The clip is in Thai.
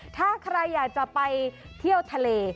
ถ้าใครอยากจะไปเที่ยวทะเล